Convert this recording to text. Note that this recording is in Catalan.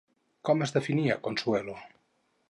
Com es definia Consuelo?